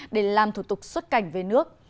để làm thủ tục xuất cảnh về nước